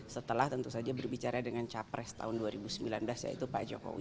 setelah tentu saja berbicara dengan capres tahun dua ribu sembilan belas yaitu pak jokowi